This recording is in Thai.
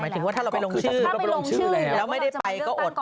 หมายถึงว่าถ้าเราไปลงชื่อแล้วไม่ได้ไปก็อด